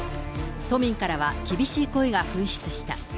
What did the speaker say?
都民からは厳しい声が噴出した。